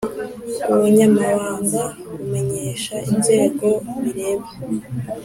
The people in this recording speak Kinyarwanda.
Ubunyamabanga bumenyesha inzego bireba